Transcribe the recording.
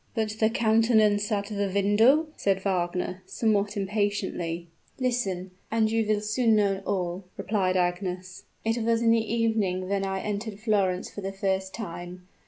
"But the countenance at the window?" said Wagner, somewhat impatiently. "Listen and you will soon know all," replied Agnes. "It was in the evening when I entered Florence for the first time.